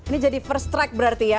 ini jadi first track berarti ya